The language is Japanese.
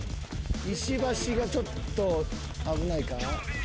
石橋がちょっと危ないか？